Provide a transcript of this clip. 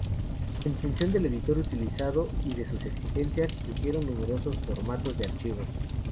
En función del editor utilizado y de sus exigencias surgieron numerosos formatos de archivos.